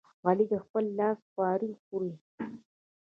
علي د خپل لاس خواري خوري.